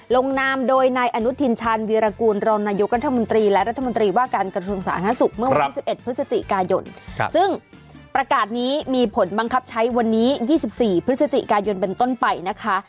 ลงนามโดยนายอนุทินชาญวีรกูลรองนายกรัฐมนตรีและรัฐมนตรีว่าการกระทรวงสาธารณสุขเมื่อวันที่๑๑พฤศจิกายนซึ่งประกาศนี้มีผลบังคับใช้วันนี้๒๔พฤศจิกายนเป็นต้นไปนะคะ